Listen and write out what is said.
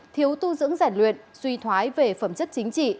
thiếu tu dưỡng giải luyện suy thoái về phẩm chất chính trị